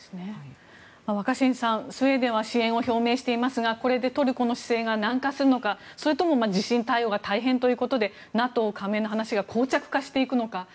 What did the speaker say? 若新さん、スウェーデンは支援を表明していますがこれでトルコの姿勢が軟化するのかそれとも地震対応が大変ということでＮＡＴＯ加盟の話が膠着化していくのか。